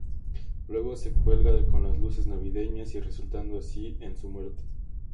Luego se cuelga con las luces navideñas, y resultando así en su muerte.